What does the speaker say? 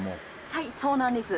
はいそうなんです。